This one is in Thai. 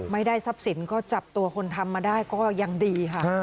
ไม่ได้ทรัพย์สินก็จับตัวคนทำมาได้ก็ยังดีค่ะ